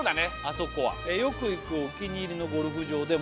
あそこは「よく行くお気に入りのゴルフ場で」